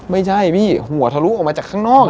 ไม่ใช่พี่หัวทะลุออกมาจากข้างนอก